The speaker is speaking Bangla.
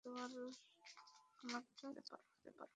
ভলতেয়ার আমারটা চুষতে পারে।